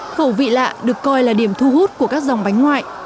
khẩu vị lạ được coi là điểm thu hút của các dòng bánh ngoại